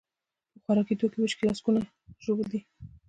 په خوراکي توکیو ویش کې لسکونه ژوبل دي.